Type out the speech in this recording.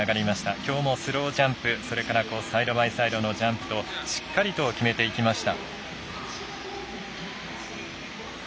きょうもスロージャンプそれからサイドバイサイドのジャンプとしっかりと決めていきました。